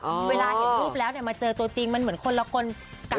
เวลาเห็นรูปแล้วเนี่ยมาเจอตัวจริงมันเหมือนคนละคนกัน